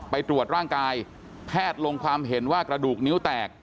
ไปตรวจร่างกายแพทย์ลงความเห็นว่ากระดูกนิ้วแตก